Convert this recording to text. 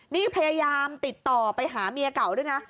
นี่พยายามติดต่อไปหาเมียเก่าด้วยนะ